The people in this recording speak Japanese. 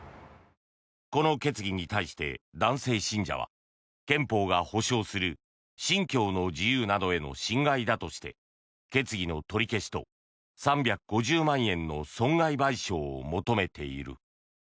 この決議に対して男性信者は憲法が保障する信教の自由などへの侵害だとして決議の取り消しと３５０万円の損害賠償を求めている。